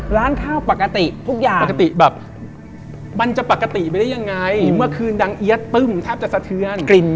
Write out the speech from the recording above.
ร้านข้าวปกติทุกอย่างปกติแบบมันจะปกติไปได้ยังไงเมื่อคืนดังเอี๊ยดปึ้มแทบจะสะเทือนกลิ่น